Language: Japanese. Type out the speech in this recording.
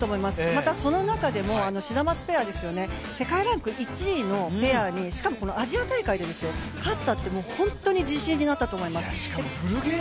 またその中でもシダマツペア、世界ランク１位のペアに、しかもアジア大会で勝ったって本当に自信になったと思います。